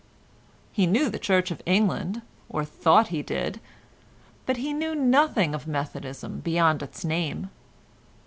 He knew the Church of England, or thought he did, but he knew nothing of Methodism beyond its name.